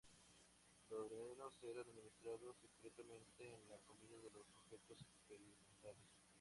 Los venenos eran administrados secretamente en la comida de los sujetos experimentales.